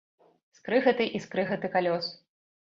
Скрыгаты і скрыгаты калёс.